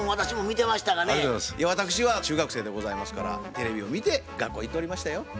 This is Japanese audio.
私は中学生でございますからテレビを見て学校へ行っておりましたよ。